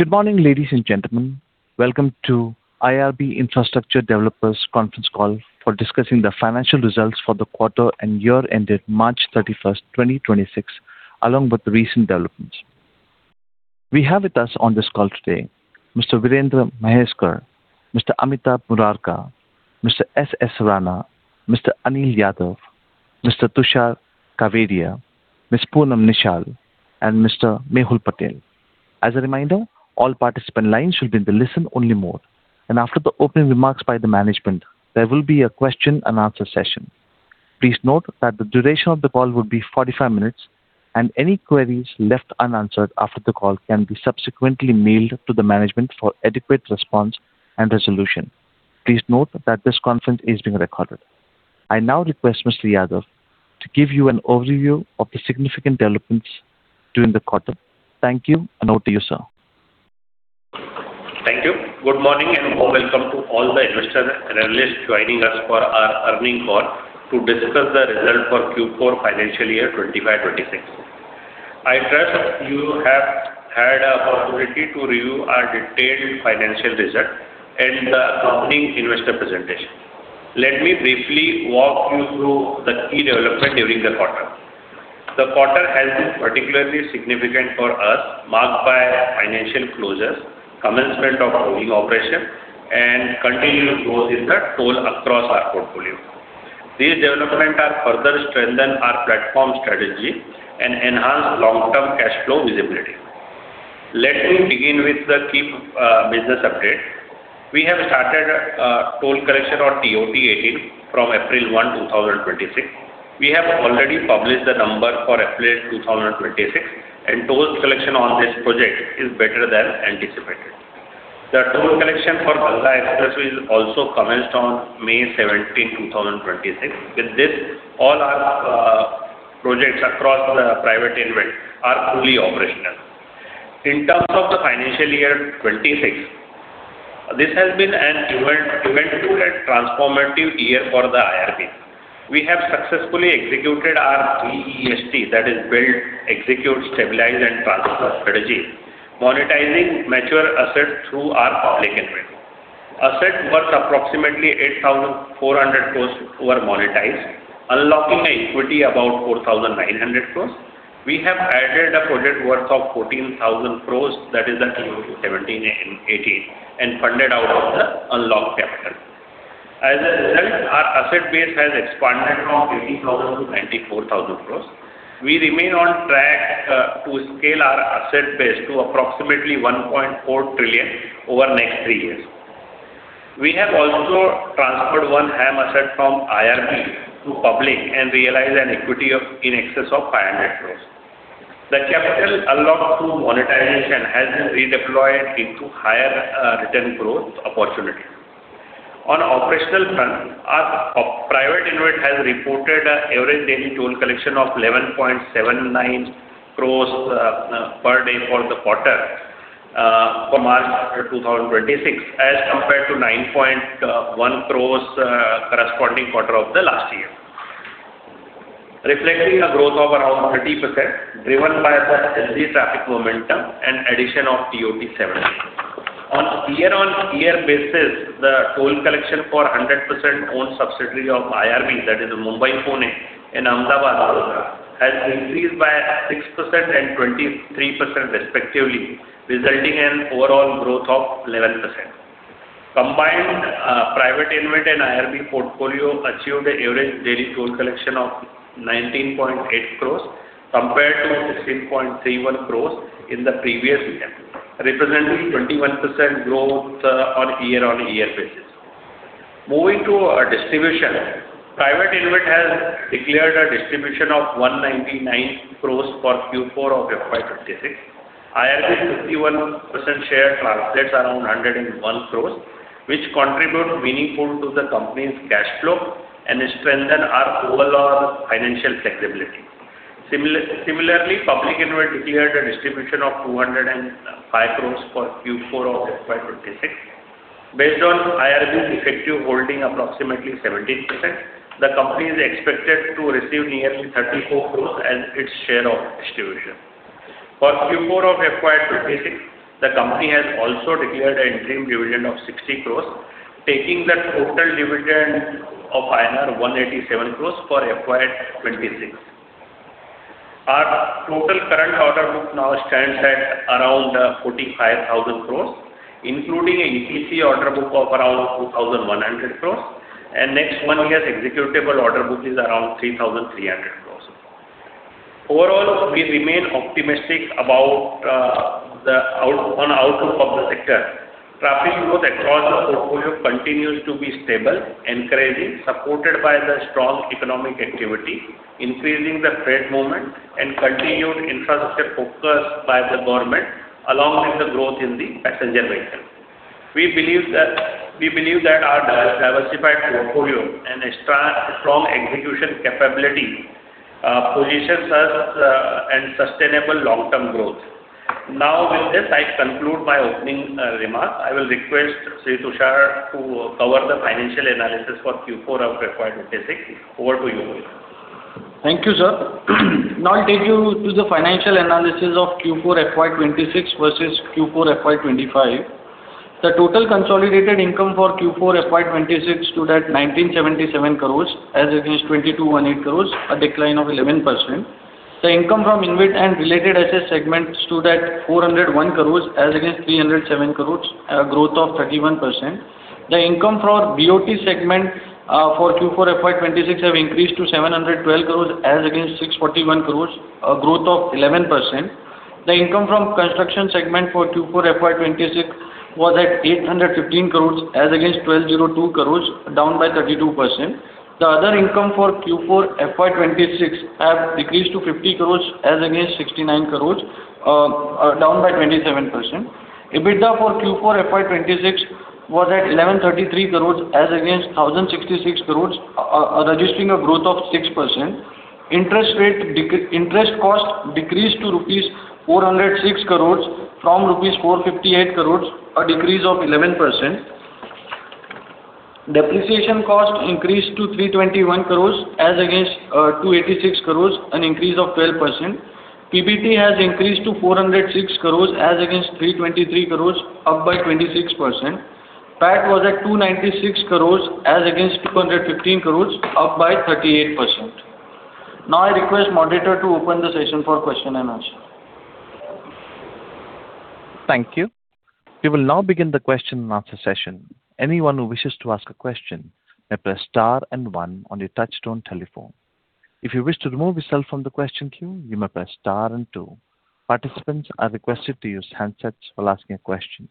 Good morning, ladies and gentlemen. Welcome to IRB Infrastructure Developers conference call for discussing the financial results for the quarter and year ended March 31, 2026, along with recent developments. We have with us on this call today, Mr. Virendra D. Mhaiskar, Mr. Amitabh Murarka, Mr. Satinder Singh Rana, Mr. Anil Yadav, Mr. Tushar Kawedia, Ms. Poonam Nishal, and Mr. Mehul Patel. As a reminder, all participant lines should be in the listen only mode. After the opening remarks by the management, there will be a question and answer session. Please note that the duration of the call will be 45 minutes, and any queries left unanswered after the call can be subsequently mailed to the management for adequate response and resolution. Please note that this conference is being recorded. I now request Mr. Yadav to give you an overview of the significant developments during the quarter. Thank you, and over to you, sir. Thank you. Good morning. Warm welcome to all the investors and analysts joining us for our earning call to discuss the result for Q4 FY 2025, 2026. I trust you have had an opportunity to review our detailed financial result and the accompanying investor presentation. Let me briefly walk you through the key development during the quarter. The quarter has been particularly significant for us, marked by financial closures, commencement of tolling operation, and continued growth in the toll across our portfolio. These development are further strengthen our platform strategy and enhance long-term cash flow visibility. Let me begin with the key business update. We have started toll collection on TOT 18 from April 1, 2026. We have already published the number for FY 2026. Toll collection on this project is better than anticipated. The toll collection for Delhi-Meerut Expressway also commenced on May 17, 2026. With this, all our projects across the private InvIT are fully operational. In terms of the financial year 2026, this has been an eventful and transformative year for the IRB. We have successfully executed our BEST, that is build, execute, stabilize, and transfer strategy, monetizing mature assets through our public InvIT. Asset worth approximately 8,400 crore were monetized, unlocking equity about 4,900 crore. We have added a project worth of 14,000 crore, that is the TOT 17 and 18, and funded out of the unlocked capital. As a result, our asset base has expanded from 80,000 crore to 94,000 crore. We remain on track to scale our asset base to approximately 1.4 trillion over next three years. We have also transferred one HAM asset from IRB to public and realized an equity in excess of 500 crore. The capital unlocked through monetization has been redeployed into higher return growth opportunity. On operational front, our private InvIT has reported an average daily toll collection of 11.79 crore per day for the quarter for March quarter 2026 as compared to 9.1 crore corresponding quarter of the last year. Reflecting a growth of around 30%, driven by the healthy traffic momentum and addition of TOT 17. On year-on-year basis, the toll collection for 100% owned subsidiary of IRB, that is Mumbai-Pune and Ahmedabad Vadodara, has increased by 6% and 23% respectively, resulting in overall growth of 11%. Combined private InvIT and IRB portfolio achieved an average daily toll collection of 19.8 crore compared to 16.31 crore in the previous year, representing 21% growth on year-on-year basis. Moving to our distribution, private InvIT has declared a distribution of 199 crore for Q4 of FY 2026. IRB 51% share translates around 101 crore, which contribute meaningful to the company's cash flow and strengthen our overall financial flexibility. Similarly, public InvIT declared a distribution of 205 crore for Q4 of FY 2026. Based on IRB's effective holding approximately 70%, the company is expected to receive nearly 34 crore as its share of distribution. For Q4 of FY 2026, the company has also declared an interim dividend of 60 crore, taking the total dividend of INR 187 crore for FY 2026. Our total current order book now stands at around 45,000 crore, including a EPC order book of around 2,100 crore and next one year executable order book is around 3,300 crore. Overall, we remain optimistic on outlook of the sector. Traffic growth across the portfolio continues to be stable, encouraging, supported by the strong economic activity, increasing the freight movement and continued infrastructure focus by the government along with the growth in the passenger vehicle. We believe that our diversified portfolio and strong execution capability positions us and sustainable long-term growth. Now, with this, I conclude my opening remarks. I will request say Tushar to cover the financial analysis for Q4 of FY 2026. Over to you. Thank you, sir. Now I'll take you to the financial analysis of Q4 FY 2026 versus Q4 FY 2025. The total consolidated income for Q4 FY 2026 stood at INR 1,977 crore as against INR 2,208 crore, a decline of 11%. The income from InvIT and related assets segment stood at INR 401 crore as against INR 307 crore, a growth of 31%. The income for BOT segment for Q4 FY 2026 have increased to 712 crore as against 641 crore, a growth of 11%. The income from Construction segment for Q4 FY 2026 was at 815 crore as against 1,202 crore, down by 32%. The other income for Q4 FY 2026 have decreased to 50 crore as against 69 crore, down by 27%. EBITDA for Q4 FY 2026 was at INR 1,133 crore as against INR 1,066 crore, registering a growth of 6%. Interest cost decreased to INR 406 crore from INR 458 crore, a decrease of 11%. Depreciation cost increased to 321 crore as against 286 crore, an increase of 12%. PBT has increased to 406 crore as against 323 crore, up by 26%. PAT was at 296 crore as against 215 crore, up by 38%. Now I request moderator to open the session for question-and-answer. Thank you. We will now begin the question-and-answer session. Anyone who wishes to ask a question may press star and one on your touchtone telephone. If you wish to remove yourself from the question queue, you may press star and two. Participants are requested to use handsets while asking a question.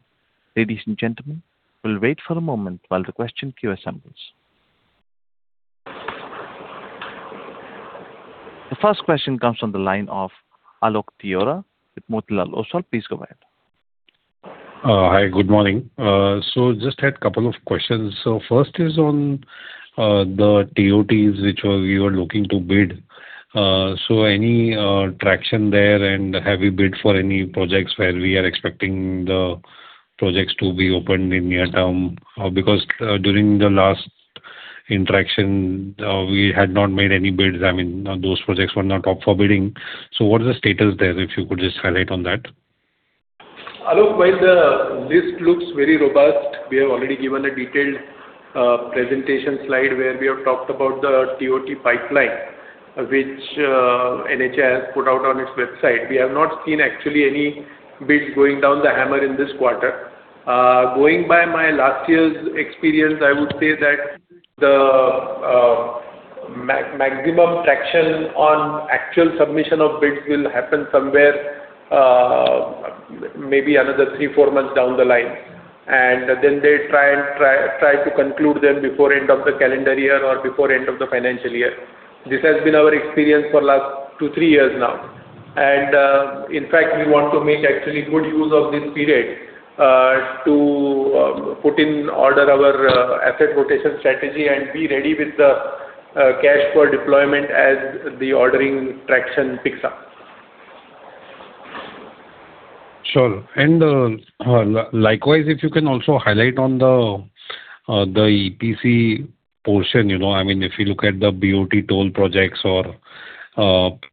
Ladies and gentlemen, we will wait for a moment while the question queue assembles. The first question comes from the line of Alok Deora with Motilal Oswal. Please go ahead. Hi, good morning. Just had a couple of questions. First is on the TOT which you are looking to bid. Any traction there and have you bid for any projects where we are expecting the projects to be opened in near term because during the last interaction, we had not made any bids. I mean, those projects were not up for bidding. What is the status there? If you could just highlight on that. Alok, while the list looks very robust, we have already given a detailed presentation slide where we have talked about the TOT pipeline, which NHAI has put out on its website. We have not seen actually any bids going down the hammer in this quarter. Going by my last year's experience, I would say that the maximum traction on actual submission of bids will happen somewhere maybe another three, four months down the line, and then they try to conclude them before end of the calendar year or before end of the financial year. This has been our experience for last two, three years now. In fact, we want to make actually good use of this period to put in order our asset rotation strategy and be ready with the cash for deployment as the ordering traction picks up. Sure. Likewise, if you can also highlight on the EPC portion. If you look at the BOT toll projects or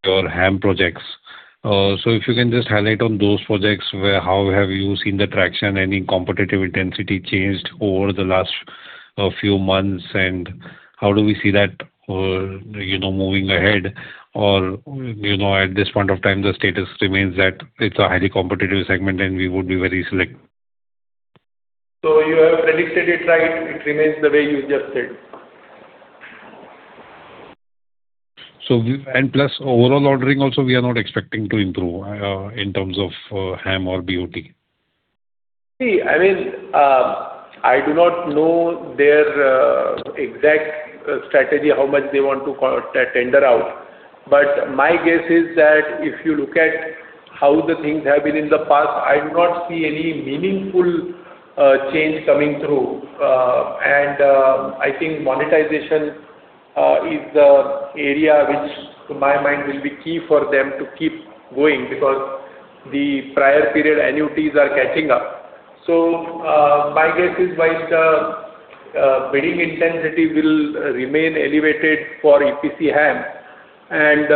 your HAM projects. If you can just highlight on those projects, how have you seen the traction? Any competitive intensity changed over the last few months and how do we see that moving ahead or at this point of time the status remains that it's a highly competitive segment and we would be very select. You have predicted it right. It remains the way you just said. Plus overall ordering also we are not expecting to improve in terms of HAM or BOT. See, I do not know their exact strategy how much they want to tender out, but my guess is that if you look at how the things have been in the past, I do not see any meaningful change coming through. I think monetization is the area which to my mind will be key for them to keep going because the prior period annuities are catching up. My guess is whilst the bidding intensity will remain elevated for EPC HAM and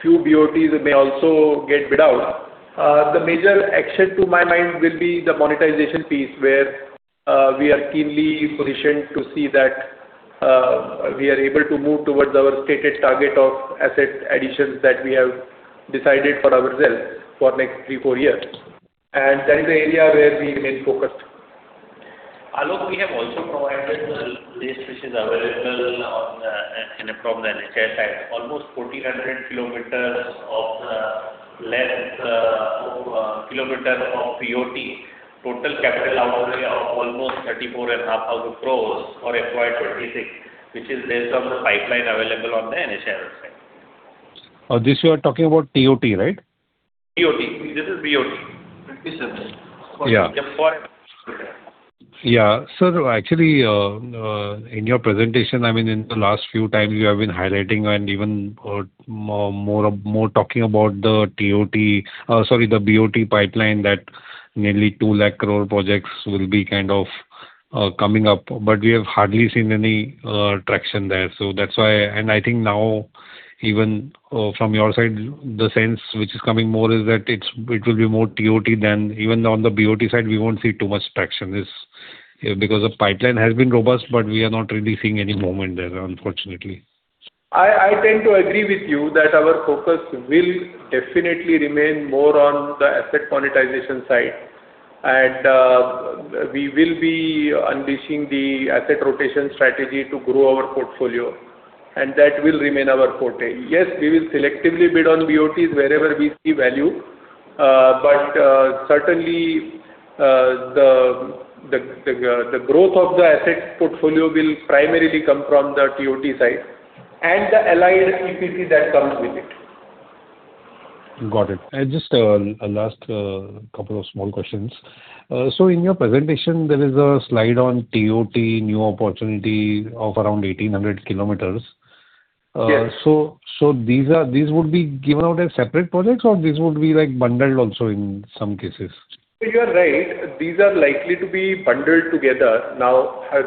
few BOTs may also get bid out. The major action to my mind will be the monetization piece where we are keenly positioned to see that we are able to move towards our stated target of asset additions that we have decided for ourselves for next three, four years and that is the area where we remain focused. Alok, we have also provided the list which is available from the NHAI side. Almost 1,400 km of TOT, total capital outlay of almost 34,500 crore for FY 2026 which is there some pipeline available on the NHAI website. This you are talking about TOT, right? TOT. This is BOT. 2027. Yeah. FY. Yeah. Sir, actually, in your presentation, in the last few times you have been highlighting and even more talking about the BOT pipeline that nearly 2 lakh crore projects will be kind of coming up, but we have hardly seen any traction there. That's why. I think now, even from your side, the sense which is coming more is that it will be more TOT than even on the BOT side, we won't see too much traction. The pipeline has been robust, but we are not really seeing any movement there, unfortunately. I tend to agree with you that our focus will definitely remain more on the asset monetization side. We will be unleashing the asset rotation strategy to grow our portfolio, and that will remain our forte. Yes, we will selectively bid on BOTs wherever we see value. Certainly, the growth of the asset portfolio will primarily come from the TOT side and the allied EPC that comes with it. Got it. Just last couple of small questions. In your presentation, there is a slide on TOT new opportunity of around 1,800 km. Yes. These would be given out as separate projects, or these would be bundled also in some cases? You are right. These are likely to be bundled together.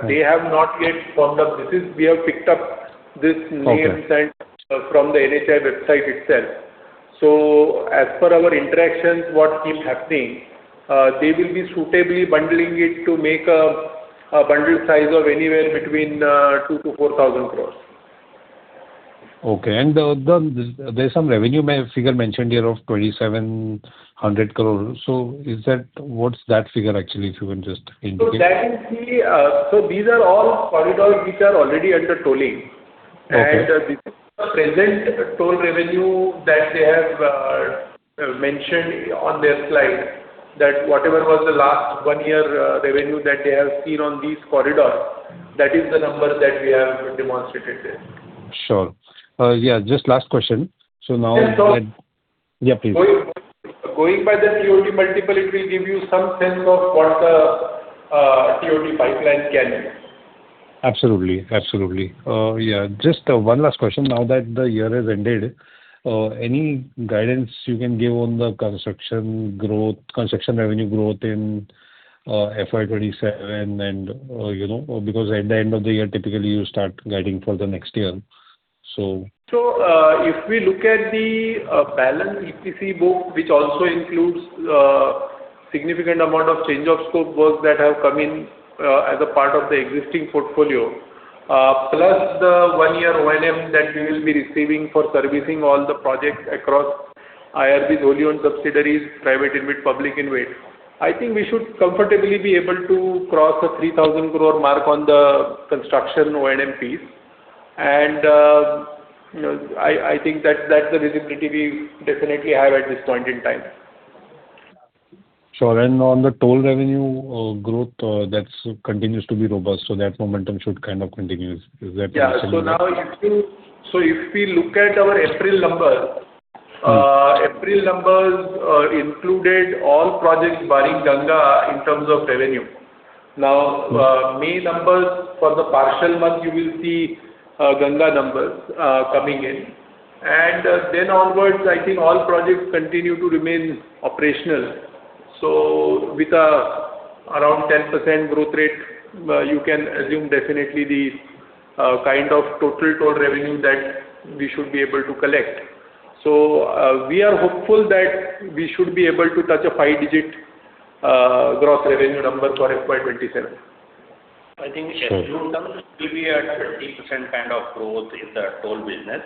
They have not yet firmed up. We have picked up these names- Okay. ...from the NHAI website itself. As per our interactions, what keeps happening, they will be suitably bundling it to make a bundle size of anywhere between 2,000 crore-4,000 crore. Okay. There's some revenue figure mentioned here of 2,700 crore. What's that figure actually, if you can just indicate? These are all corridors which are already under tolling. Okay. This is the present toll revenue that they have mentioned on their slide, that whatever was the last one-year revenue that they have seen on these corridors, that is the number that we have demonstrated there. Sure. Yeah, just last question. Yes. Yeah, please. Going by the TOT multiple, it will give you some sense of what the TOT pipeline can be. Absolutely. Just one last question. Now that the year has ended, any guidance you can give on the Construction revenue growth in FY 2027 because at the end of the year, typically, you start guiding for the next year? If we look at the balance EPC book, which also includes significant amount of change of scope work that have come in as a part of the existing portfolio, plus the one-year O&M that we will be receiving for servicing all the projects across IRB's wholly owned subsidiaries, private InvIT, public InvIT, I think we should comfortably be able to cross an 3,000 crore mark on the Construction O&M piece. I think that's the visibility we definitely have at this point in time. Sure. On the toll revenue growth, that continues to be robust, so that momentum should kind of continue. Is that? Yeah. If we look at our April numbers, April numbers included all projects barring Ganga in terms of revenue. May numbers for the partial month, you will see Ganga numbers coming in. Onwards, I think all projects continue to remain operational. With around 10% growth rate, you can assume definitely the kind of total toll revenue that we should be able to collect. We are hopeful that we should be able to touch a five-digit gross revenue number for FY 2027. Sure. I think in June numbers, it will be a 30% kind of growth in the toll business,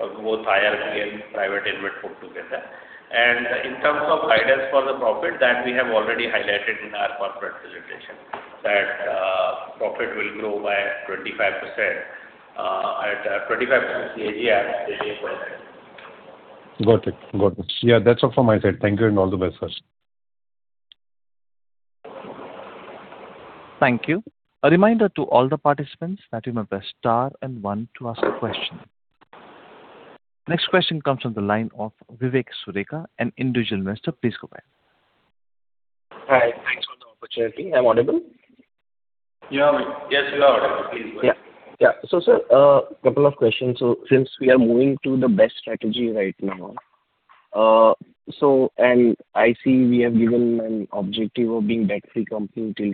both IRB and private InvIT put together. In terms of guidance for the profit, that we have already highlighted in our corporate presentation, that profit will grow by 25% CAGR till FY 2027. Got it. Yeah, that's all from my side. Thank you and all the best, sir. Thank you. A reminder to all the participants that you must press star and one to ask a question. Next question comes from the line of Vivek Sureka, an individual investor. Please go ahead. Hi. Thanks for the opportunity. Am I audible? You are. Yes, you are audible. Please go ahead. Yeah. Sir, couple of questions. Since we are moving to the BEST Strategy right now, and I see we have given an objective of being debt-free company till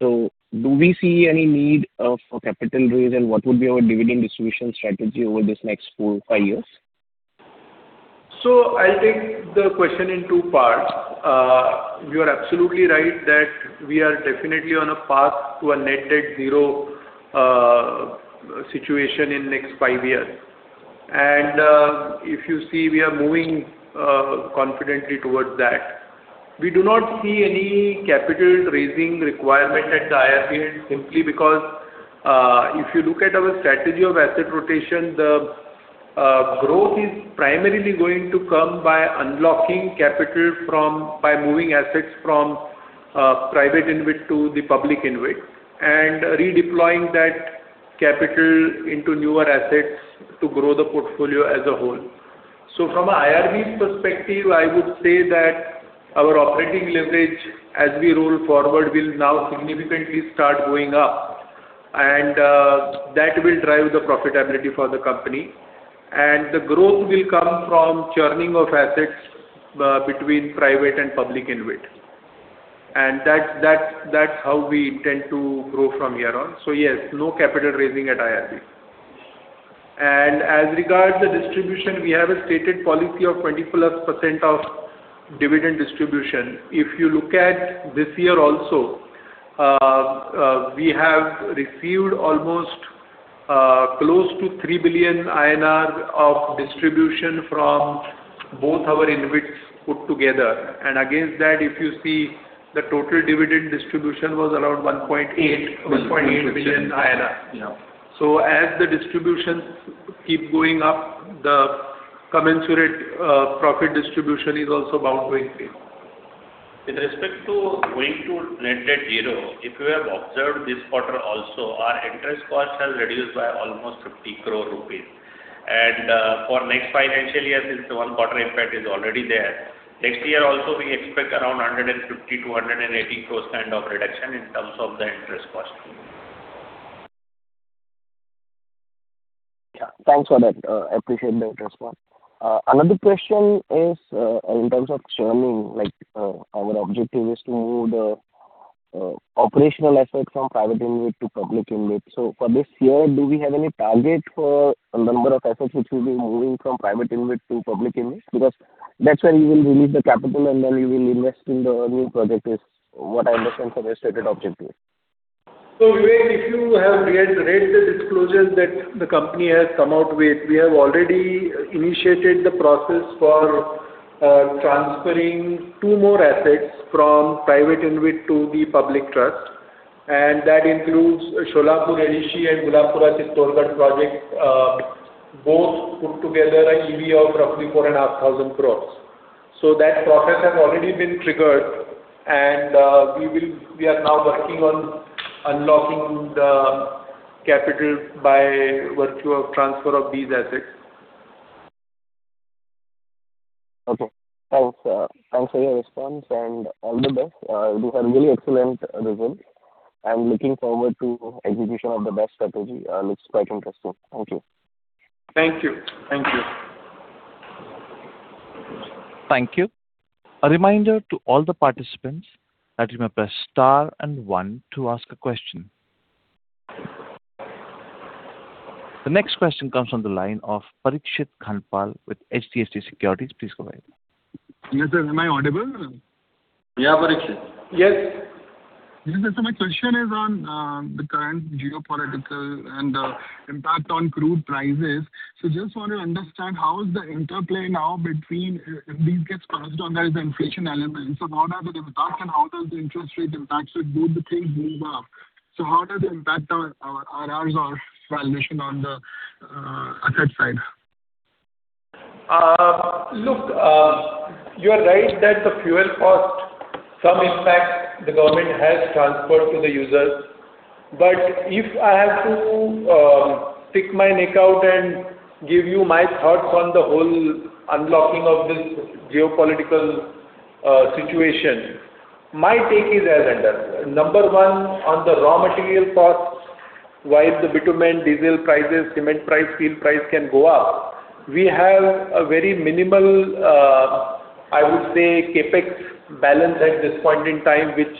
2030. Do we see any need of capital raise, and what would be our dividend distribution strategy over this next four, five years? I'll take the question in two parts. You are absolutely right that we are definitely on a path to a net debt zero situation in next five years. If you see, we are moving confidently towards that. We do not see any capital raising requirement at the IRB simply because, if you look at our strategy of asset rotation, the growth is primarily going to come by unlocking capital by moving assets from private InvIT to the public InvIT, and redeploying that capital into newer assets to grow the portfolio as a whole. From IRB's perspective, I would say that our operating leverage as we roll forward will now significantly start going up and that will drive the profitability for the company. The growth will come from churning of assets between private and public InvIT and that's how we intend to grow from here on. Yes, no capital raising at IRB. As regards the distribution, we have a stated policy of 20+% of dividend distribution. If you look at this year also, we have received almost close to 3 billion INR of distribution from both our InvITs put together. Against that, if you see, the total dividend distribution was around INR 1.8 billion. Yeah. As the distributions keep going up, the commensurate profit distribution is also bound to increase. In respect to going to net debt zero, if you have observed this quarter also, our interest cost has reduced by almost 50 crore rupees. For next financial year, since the one quarter impact is already there, next year also, we expect around 150 crore-180 crore kind of reduction in terms of the interest cost. Yeah. Thanks for that. Appreciate the response. Another question is, in terms of churning, our objective is to move the operational assets from private InvIT to public InvIT. For this year, do we have any target for the number of assets which will be moving from private InvIT to public InvIT because that's where you will release the capital and then you will invest in the new project, is what I understand from your stated objective. Vivek, if you have read the disclosures that the company has come out with, we have already initiated the process for transferring two more assets from private InvIT to the public trust, and that includes Solapur-Yedeshi and Chittorgarh-Gulabpura project, both put together an EV of roughly 4,500 crore. That process has already been triggered, and we are now working on unlocking the capital by virtue of transfer of these assets. Okay. Thanks. Thanks for your response and all the best. You had a really excellent result. I'm looking forward to execution of the BEST Strategy. Looks quite interesting. Thank you. Thank you. Thank you. Thank you. A reminder to all the participants. Participants may press star and one to as a question. The next question comes from the line of Parikshit Kandpal with HDFC Securities. Please go ahead. Yes, sir. Am I audible? Yeah, Parikshit. Yes. My question is on the current geopolitical and the impact on crude prices. Just want to understand how is the interplay now between, if these gets passed on, there is inflation elements of how does it impact and how does the interest rate impact should both the things move up? How does it impact our valuation on the asset side? You are right that the fuel cost, some impact the government has transferred to the users. If I have to stick my neck out and give you my thoughts on the whole unlocking of this geopolitical situation, my take is as under. Number one, on the raw material costs, while the bitumen, diesel prices, cement price, steel price can go up, we have a very minimal, I would say, CapEx balance at this point in time, which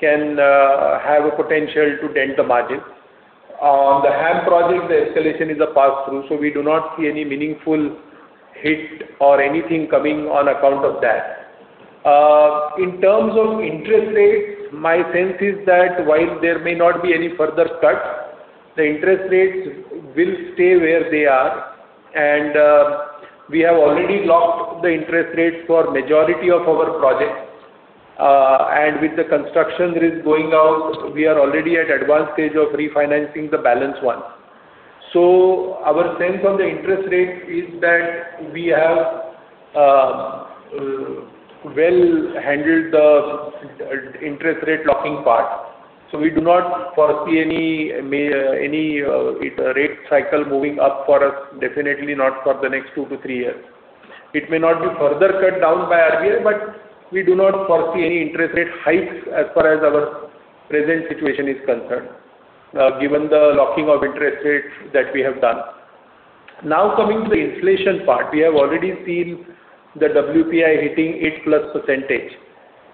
can have a potential to dent the margin. On the HAM project, the escalation is a pass-through, we do not see any meaningful hit or anything coming on account of that. In terms of interest rates, my sense is that while there may not be any further cuts, the interest rates will stay where they are, we have already locked the interest rates for majority of our projects. With the Construction risk going out, we are already at advanced stage of refinancing the balance one. Our sense on the interest rate is that we have well handled the interest rate locking part. We do not foresee any rate cycle moving up for us, definitely not for the next two to three years. It may not be further cut down by RBI, but we do not foresee any interest rate hikes as far as our present situation is concerned, given the locking of interest rates that we have done. Now coming to the inflation part, we have already seen the WPI hitting 8+%,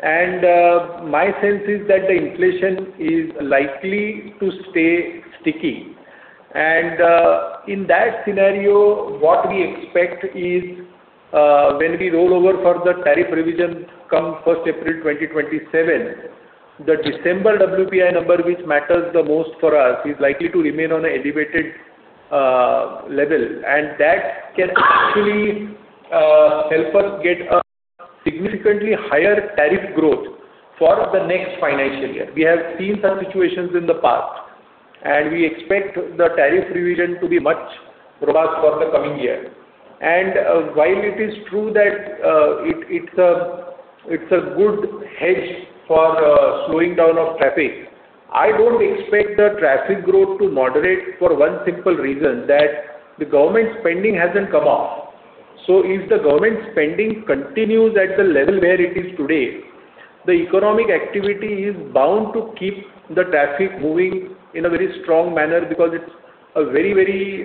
and my sense is that the inflation is likely to stay sticky. In that scenario, what we expect is, when we roll over for the tariff revision come 1st April 2027, the December WPI number, which matters the most for us, is likely to remain on an elevated level. That can actually help us get a significantly higher tariff growth for the next financial year. We have seen some situations in the past, and we expect the tariff revision to be much robust for the coming year. While it is true that it's a good hedge for slowing down of traffic, I don't expect the traffic growth to moderate for one simple reason, that the government spending hasn't come up. If the government spending continues at the level where it is today, the economic activity is bound to keep the traffic moving in a very strong manner because it's a very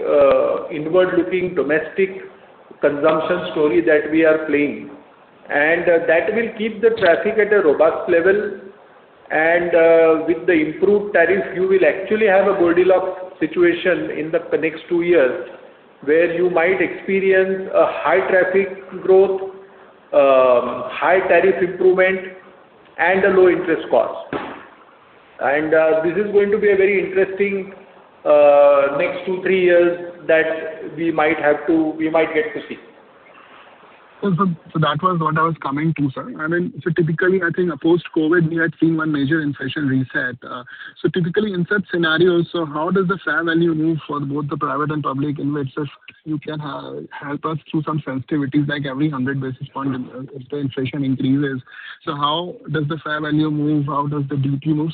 inward-looking domestic consumption story that we are playing. That will keep the traffic at a robust level. With the improved tariff, you will actually have a Goldilocks situation in the next two years, where you might experience a high traffic growth, high tariff improvement, and a low-interest cost. This is going to be a very interesting next two, three years that we might get to see. That was what I was coming to, sir. Typically, I think post-COVID, we had seen one major inflation reset. Typically, in such scenarios, how does the fair value move for both the private and public InvIT? If you can help us through some sensitivities, like every 100 basis points if the inflation increases. How does the fair value move? How does the DPU move?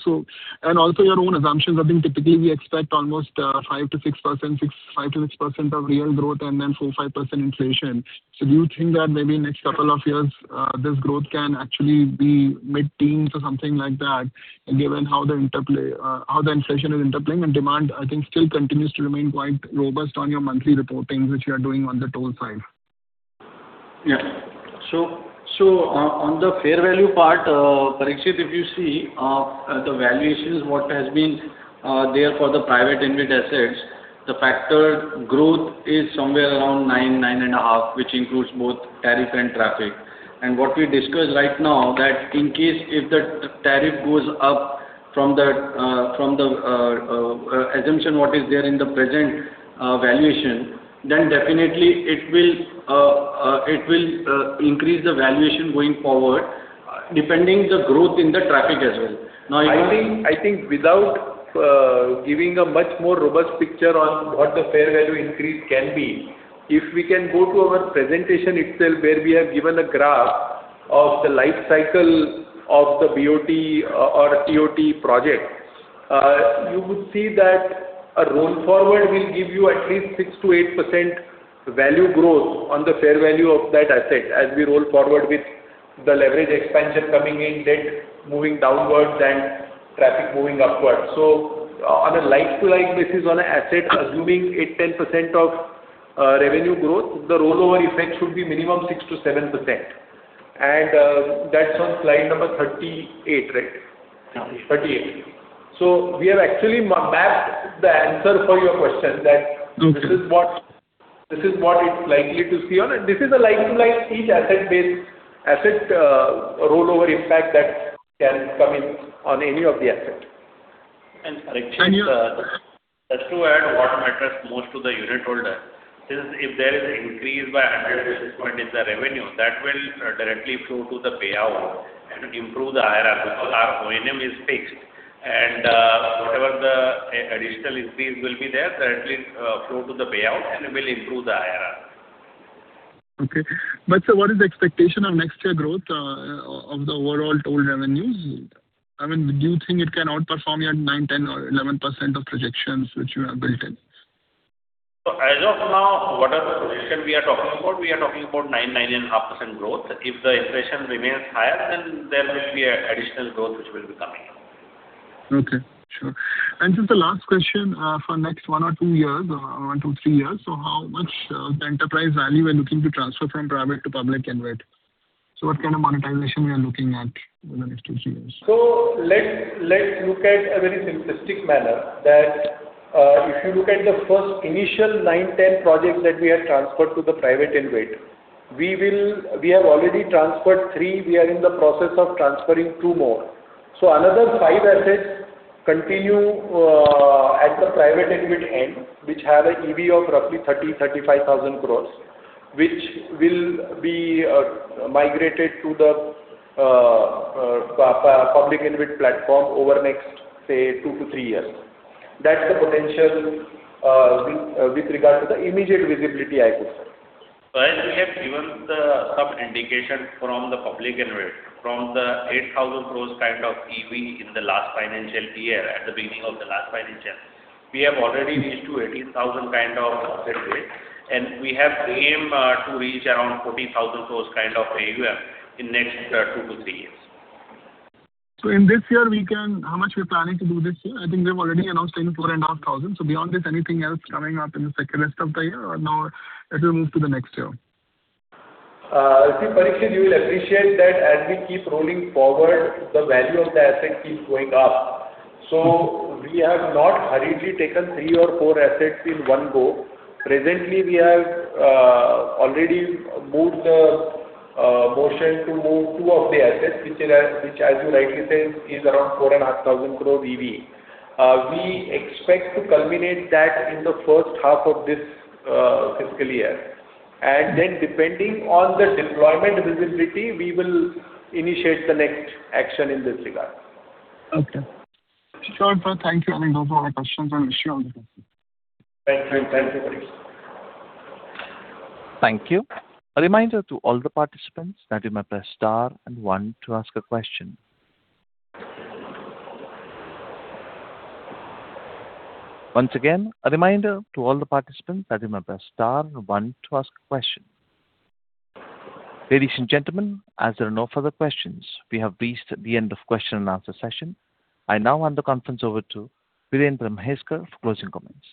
Also your own assumptions. I think typically we expect almost 5%-6% of real growth and then 4%-5% inflation. Do you think that maybe next couple of years, this growth can actually be mid-teens or something like that, given how the inflation is interplaying and demand, I think, still continues to remain quite robust on your monthly reportings, which you are doing on the toll side? On the fair value part, Parikshit, if you see the valuations, what has been there for the private InvIT assets, the factored growth is somewhere around 9%, 9.5%, which includes both tariff and traffic. What we discussed right now, that in case if the tariff goes up from the assumption what is there in the present valuation, then definitely it will increase the valuation going forward depending the growth in the traffic as well. I think without giving a much more robust picture on what the fair value increase can be, if we can go to our presentation itself, where we have given a graph of the life cycle of the BOT or TOT project, you would see that a roll forward will give you at least 6%-8% value growth on the fair value of that asset, as we roll forward with the leverage expansion coming in, debt moving downwards and traffic moving upwards. On a like-to-like basis on an asset, assuming 8%, 10% of revenue growth, the rollover effect should be minimum 6%-7%, and that's on slide number 38, right? Yeah. We have actually mapped the answer for your question. Good. This is what it's likely to see on it. This is a like-to-like each asset base, asset rollover impact that can come in on any of the assets. Parikshit. And you- Just to add what matters most to the unit holder is if there is an increase by 100 basis points in the revenue, that will directly flow to the payout and improve the IRR because our O&M is fixed and whatever the additional increase will be there, directly flow to the payout and will improve the IRR. Okay. Sir, what is the expectation on next year growth of the overall toll revenues? Do you think it can outperform your 9%, 10% or 11% of projections which you have built in? As of now, what are the projections we are talking about? We are talking about 9.5% growth. If the inflation remains higher, then there may be additional growth which will be coming. Okay. Sure. Just the last question, for next one or two years, or one, two, year years, how much of the enterprise value are you looking to transfer from private to public InvIT? What kind of monetization we are looking at in the next two, three years? Let's look at a very simplistic manner, that if you look at the first initial nine, 10 projects that we have transferred to the private InvIT, we have already transferred three. We are in the process of transferring two more. Another five assets continue at the private InvIT end, which have an EV of roughly 30,000 crore-35,000 crore, which will be migrated to the public InvIT platform over next, say, two to three years. That's the potential with regard to the immediate visibility, I could say. Well, we have given some indication from the public InvIT. From the 8,000 crore kind of EV in the last financial year, at the beginning of the last financial, we have already reached to 18,000 kind of asset value. We have aimed to reach around 40,000 crore kind of AUM in next two to three years. In this year, how much we're planning to do this year? I think we've already announced 4,500 crore. Beyond this, anything else coming up in the rest of the year or now it will move to the next year? See, Parikshit, you will appreciate that as we keep rolling forward, the value of the asset keeps going up. We have not hurriedly taken three or four assets in one go. Presently, we have already moved the motion to move two of the assets, which as you rightly said, is around 4,500 crore EV. We expect to culminate that in the first half of this fiscal year. Depending on the deployment visibility, we will initiate the next action in this regard. Okay. Sure, sir. Thank you. I think those are my questions. I appreciate all the answers. Thank you, Parikshit. Thank you. A reminder to all the participants that you may press star and one to ask a question. Once again, a reminder to all the participants that you may press star and one to ask a question. Ladies and gentlemen, as there are no further questions, we have reached the end of question-and-answer session. I now hand the conference over to Virendra Mhaiskar for closing comments.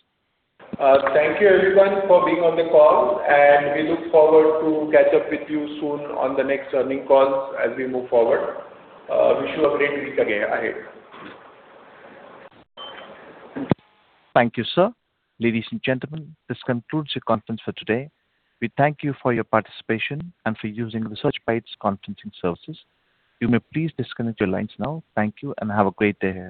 Thank you everyone for being on the call, and we look forward to catch up with you soon on the next earnings calls as we move forward. Wish you a great week again ahead. Thank you, sir. Ladies and gentlemen, this concludes your conference for today. We thank you for your participation and for using Researchbytes conferencing services. You may please disconnect your lines now. Thank you and have a great day ahead.